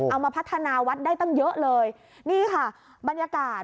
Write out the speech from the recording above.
เอามาพัฒนาวัดได้ตั้งเยอะเลยนี่ค่ะบรรยากาศ